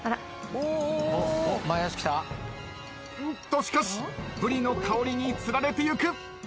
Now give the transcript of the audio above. しかしブリの香りに釣られていく。